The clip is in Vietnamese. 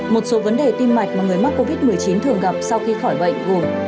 một số vấn đề tim mạch mà người mắc covid một mươi chín thường gặp sau khi khỏi bệnh gồm